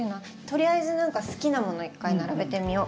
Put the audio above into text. とりあえず何か好きなもの一回並べてみよ。